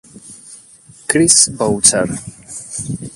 Chris Boucher